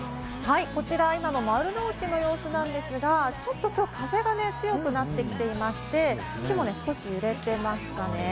こちら今の丸の内の様子なんですが、今日はちょっと風が強くなって来ていまして、木も少し揺れていますかね。